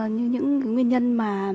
như những nguyên nhân mà